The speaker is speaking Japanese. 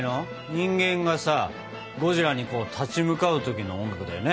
人間がさゴジラに立ち向かう時の音楽だよね。